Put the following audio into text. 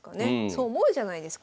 そう思うじゃないですか。